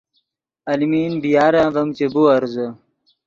المین بی یار ام ڤیم چے بیورزے